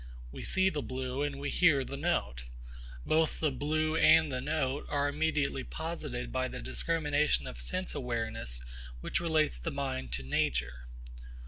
We see the blue and we hear the note. Both the blue and the note are immediately posited by the discrimination of sense awareness which relates the mind to nature.